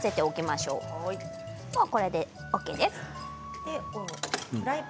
これでＯＫです。